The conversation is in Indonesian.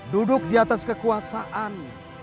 duduk di atas kekuasaan